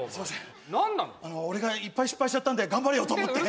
俺がいっぱい失敗しちゃったんで頑張れよと思って。